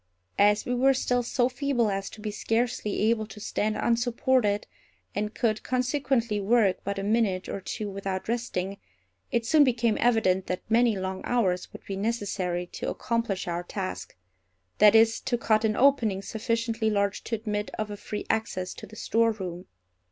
As we were still so feeble as to be scarcely able to stand unsupported, and could consequently work but a minute or two without resting, it soon became evident that many long hours would be necessary to accomplish our task—that is, to cut an opening sufficiently large to admit of a free access to the storeroom.